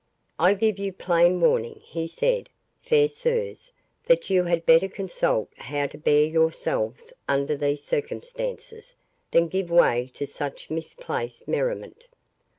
"I give you plain warning," he said, "fair sirs, that you had better consult how to bear yourselves under these circumstances, than give way to such misplaced merriment."